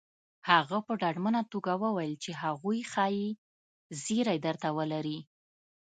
هغه په ډاډمنه توګه وويل چې هغوی ښايي زيری درته ولري